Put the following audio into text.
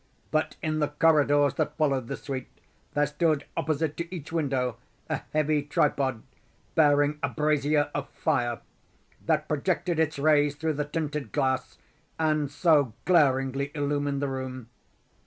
But in the corridors that followed the suite, there stood, opposite to each window, a heavy tripod, bearing a brazier of fire that projected its rays through the tinted glass and so glaringly illumined the room.